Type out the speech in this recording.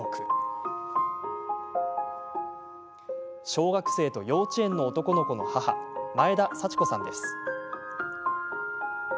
小学生と幼稚園の男の子の母前田沙智子さんです。